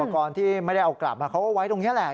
กรที่ไม่ได้เอากลับมาเขาก็ไว้ตรงนี้แหละ